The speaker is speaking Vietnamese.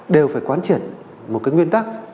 đều phải quán triển một cái nguyên tắc